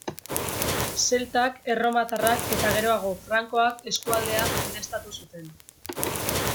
Zeltak, erromatarrak eta geroago frankoak eskualdea jendeztatu zuten.